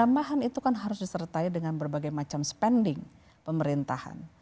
tambahan itu kan harus disertai dengan berbagai macam spending pemerintahan